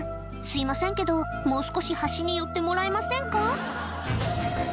すいませんけどもう少し端に寄ってもらえませんか？